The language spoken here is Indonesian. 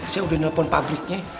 saya udah nelfon pabriknya